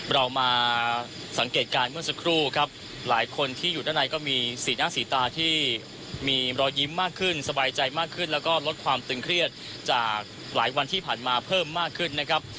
เรามาสังเกตการณ์เมื่อสักครู่ครับหลายคนที่อยู่ด้านในก็มีสีหน้าสีตาที่มีรอยยิ้มมากขึ้นสบายใจมากขึ้นแล้วก็ลดความตึงเครียดจากหลายวันที่ผ่านมาเพิ่มมากขึ้นนะครับ